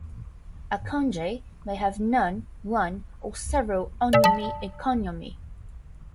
A kanji may have none, one, or several on'yomi and kun'yomi.